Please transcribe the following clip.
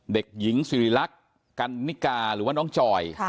เด็กหญิงสิริรักษ์กันนิกาหรือว่าน้องจอย